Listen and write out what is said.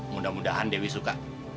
mudah mudahan dewi suka